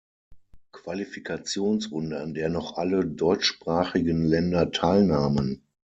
Qualifikationsrunde, an der noch alle deutschsprachigen Länder teilnahmen.